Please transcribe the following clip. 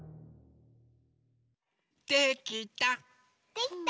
できた。